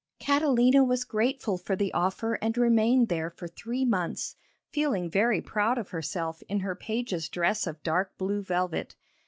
Catalina was grateful for the offer and remained there for three months, feeling very proud of herself in her page's dress of dark blue velvet.